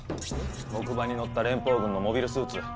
木馬に乗った連邦軍のモビルスーツ。